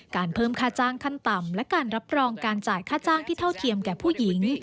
การเพิ่มค่าจ้างขั้นต่ำและการรับรองการจ่ายค่าจ้างที่เท่าเทียมแก่ผู้หญิง